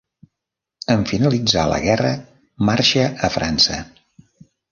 En finalitzar la guerra marxa a França.